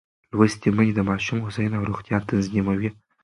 لوستې میندې د ماشوم هوساینه او روغتیا تضمینوي.